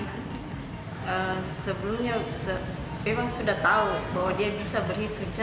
nah sebelumnya memang sudah tahu bahwa dia bisa berhitung